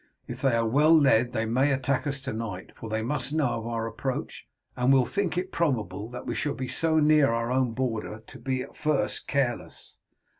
"If they are well led they may attack us to night, for they must know of our approach, and will think it probable that we shall, being so near our own border, be at first careless.